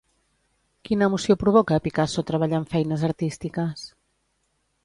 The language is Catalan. Quina emoció provoca a Picasso treballar en feines artístiques?